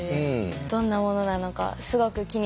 どんなものなのかすごく気になります。